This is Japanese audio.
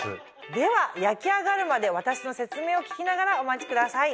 では焼き上がるまで私の説明を聞きながらお待ちください。